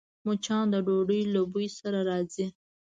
مچان د ډوډۍ له بوی سره راځي